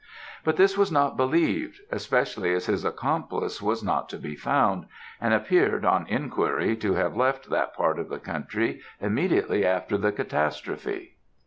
But this was not believed, especially as his accomplice was not to be found, and appeared, on enquiry, to have left that part of the country immediately after the catastrophe.